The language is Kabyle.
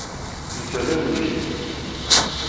Netta d agujil.